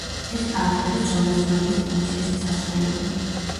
ეს ფარფლები წონასწორობის ფუნქციასაც ასრულებენ.